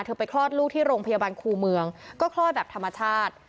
ไปคลอดลูกที่โรงพยาบาลครูเมืองก็คลอดแบบธรรมชาติ